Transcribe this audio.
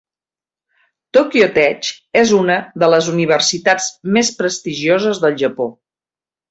Tokyo Tech és una de les universitats més prestigioses del Japó.